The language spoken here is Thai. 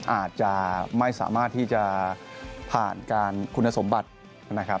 อาจจะไม่สามารถที่จะผ่านการคุณสมบัตินะครับ